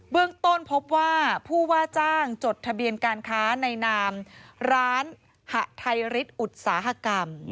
เรื่องต้นพบว่าผู้ว่าจ้างจดทะเบียนการค้าในนามร้านหะไทยฤทธิ์อุตสาหกรรม